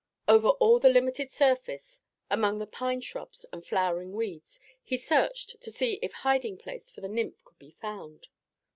Over all the limited surface, among the pine shrubs and flowering weeds, he searched to see if hiding place for the nymph could be found.